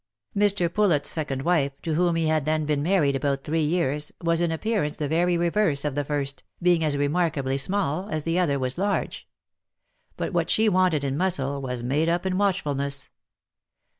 Mr. Poulet's second wife, to whom he had then been married about three years, was in appearance the very reverse of the first, being as remarkably small, as the other was large. But what she wanted in muscle, was made up in watchfulness.